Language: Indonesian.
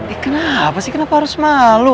ik kenapa sih kenapa harus malu